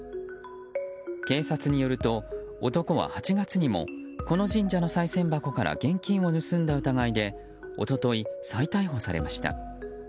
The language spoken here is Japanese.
警察によると男は８月にもこの神社のさい銭箱から現金を盗んだ疑いで一昨日、再逮捕されました。